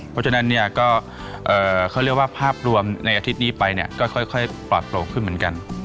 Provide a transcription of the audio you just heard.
เพราะฉะนั้นเนี่ยก็เขาเรียกว่าภาพรวมในอาทิตย์นี้ไปเนี่ยก็ค่อยปลอดโปรกขึ้นเหมือนกัน